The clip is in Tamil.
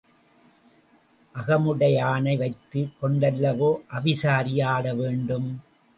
அகமுடையானை வைத்துக் கொண்டல்லவோ அவிசாரி ஆட வேண்டும்?